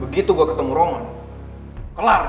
begitu gue ketemu roman kelar nih